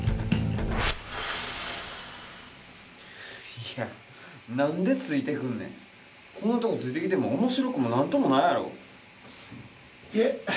いやなんでついてくんねんこんなとこついてきてもおもしろくも何ともないやろいえ